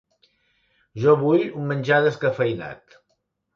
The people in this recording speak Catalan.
Jo vull un menjar descafeïnat.